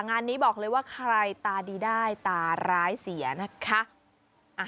งานนี้บอกเลยว่าใครตาดีได้ตาร้ายเสียนะคะ